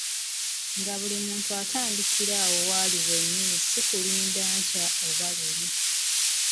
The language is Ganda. Nga buli muntu atandikira awo wali wennyini si kulinda nkya oba luli.